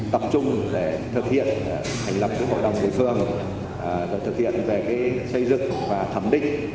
tập trung để thực hiện hành lập của hội đồng bồi phương thực hiện về cái xây dựng và thẩm định